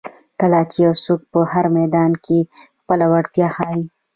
کله چې یو څوک په هر میدان کې خپله وړتیا ښایي.